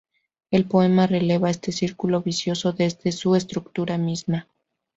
El poema revela este círculo vicioso desde su estructura misma.